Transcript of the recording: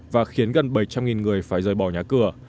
và khiến gần bảy trăm linh người phải rời bỏ nhà cửa